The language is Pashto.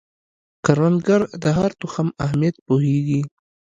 کروندګر د هر تخم اهمیت پوهیږي